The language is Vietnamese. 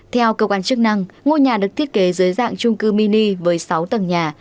theo cơ quan chức năng ngôi nhà được thiết kế dưới dạng trung cư mini với sáu tầng nhà